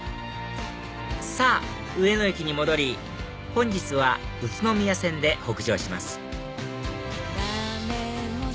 さぁ上野駅に戻り本日は宇都宮線で北上します